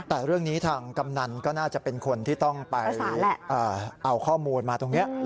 แต่เรื่องนี้ทางกำนันก็น่าจะเป็นคนที่ต้องไปเอาข้อมูลมาตรงนี้